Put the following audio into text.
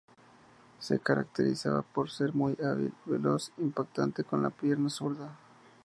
Se caracterizaba por ser muy hábil, veloz, impactante con la pierna zurda.